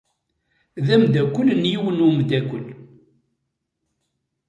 D amdakel n yiwen n wemdakel.